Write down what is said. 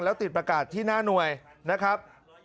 แล้วติดประกาศที่หน้าหน่วยนะครับ